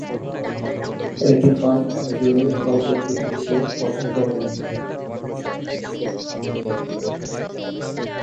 এটি fast and furious চলচ্চিত্র সিরিজের প্রথম চলচ্চিত্র।